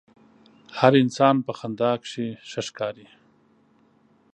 هر انسان په خندا کښې ښه ښکاري.